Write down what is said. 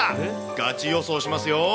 ガチ予想しますよ。